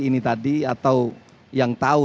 ini tadi atau yang tahu